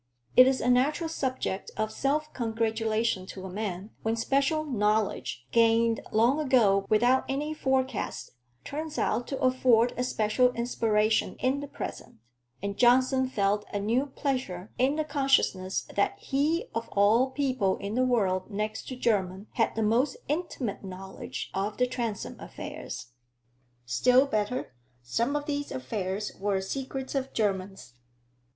It is a natural subject of self congratulation to a man, when special knowledge, gained long ago without any forecast, turns out to afford a special inspiration in the present; and Johnson felt a new pleasure in the consciousness that he of all people in the world next to Jermyn had the most intimate knowledge of the Transome affairs. Still better some of these affairs were secrets of Jermyn's.